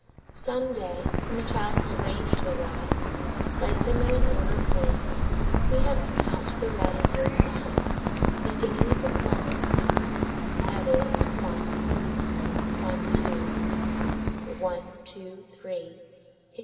Some day, when a child has arranged the rods, placing them in order of length, we have him count the red and blue signs, beginning with the smallest piece; that is, one; one, two; one, two, three, etc.